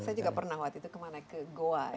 saya juga pernah waktu itu kemana ke goa